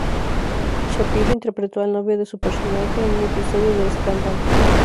Shapiro interpretó al novio de su personaje en un episodio de "Scandal".